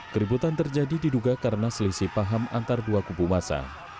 keributan terjadi diduga karena selisih paham antar dua kubu masa